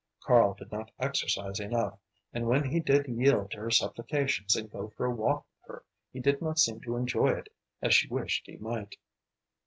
Karl did not exercise enough, and when he did yield to her supplications and go for a walk with her he did not seem to enjoy it as she wished he might.